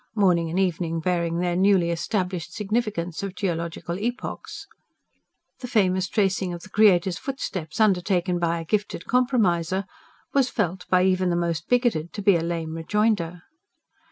morning and evening bearing their newly established significance of geological epochs. The famous tracing of the Creator's footsteps, undertaken by a gifted compromiser, was felt by even the most bigoted to be a lame rejoinder.